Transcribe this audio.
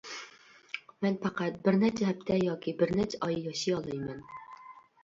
مەن پەقەت بىر نەچچە ھەپتە ياكى بىرنەچچە ئاي ياشىيالايمەن.